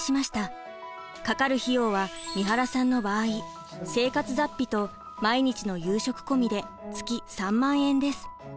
かかる費用は三原さんの場合生活雑費と毎日の夕食込みで月３万円です。